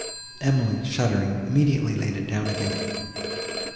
Emily, shuddering, immediately laid it down again.